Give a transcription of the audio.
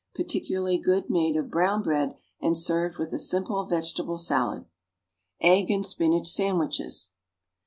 Particularly good made of brownbread and served with a simple vegetable salad! =Egg and Spinach Sandwiches.